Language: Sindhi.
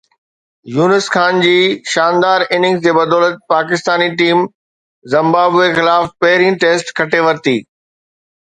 يونس خان جي شاندار اننگز جي بدولت پاڪستاني ٽيم زمبابوي خلاف پهرين ٽيسٽ کٽي ورتي